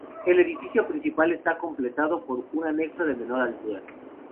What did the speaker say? El edificio principal está completado por un anexo de menor altura.